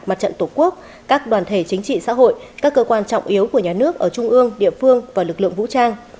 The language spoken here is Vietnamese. mặt trận tổ quốc các đoàn thể chính trị xã hội các cơ quan trọng yếu của nhà nước ở trung ương địa phương và lực lượng vũ trang